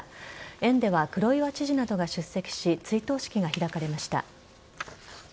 園では黒岩知事などが出席し追悼式が開かれました。